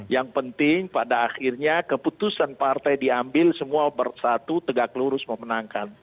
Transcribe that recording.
yang penting pada akhirnya keputusan partai diambil semua bersatu tegak lurus memenangkan